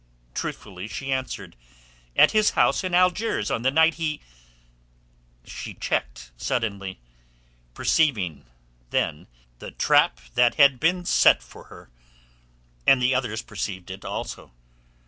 Truthfully she answered. "At his house in Algiers on the night he...." She checked suddenly, perceiving then the trap that had been set for her. And the others perceived it also.